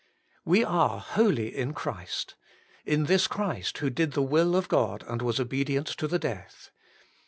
2. We are 'holy In Christ' in this Christ who did the will of God and was obedient to the death.